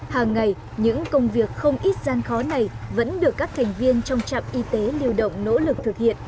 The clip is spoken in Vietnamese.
hàng ngày những công việc không ít gian khó này vẫn được các thành viên trong trạm y tế lưu động nỗ lực thực hiện